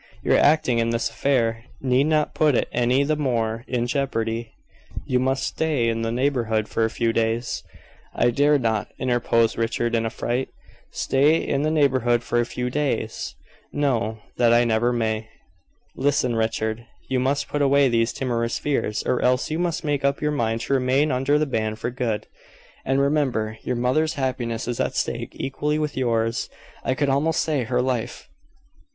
"Your acting in this affair need not put it any the more in jeopardy. You must stay in the neighborhood for a few days " "I dare not," interposed Richard, in a fright. "Stay in the neighborhood for a few days! No; that I never may." "Listen, Richard. You must put away these timorous fears, or else you must make up your mind to remain under the ban for good; and, remember, your mother's happiness is at stake equally with yours I could almost say her life.